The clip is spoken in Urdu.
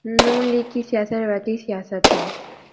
ن لیگ کی سیاست روایتی سیاست ہے۔